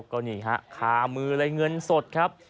ก็นี่ครับขามือและเงินสดครับ